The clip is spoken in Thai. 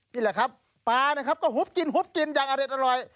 นี่แหละครับปลานะครับก็หุบกินหุบกินอย่างอเด็ดอร่อย